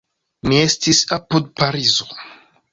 Mi estis apud Parizo.